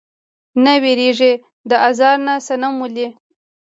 نۀ ويريږي د ازار نه صنم ولې؟